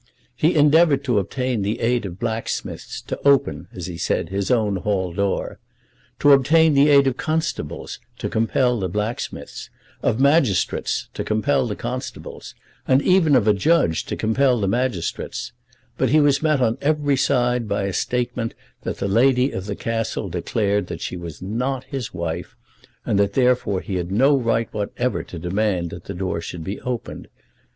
He endeavoured to obtain the aid of blacksmiths to open, as he said, his own hall door, to obtain the aid of constables to compel the blacksmiths, of magistrates to compel the constables, and even of a judge to compel the magistrates; but he was met on every side by a statement that the lady of the castle declared that she was not his wife, and that therefore he had no right whatever to demand that the door should be opened.